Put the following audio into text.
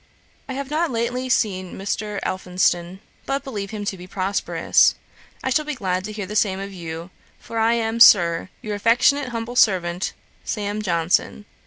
'I have not lately seen Mr. Elphinston, but believe him to be prosperous. I shall be glad to hear the same of you, for I am, Sir, 'Your affectionate humble servant, 'SAM. JOHNSON.'